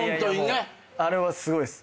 あれはすごいっす。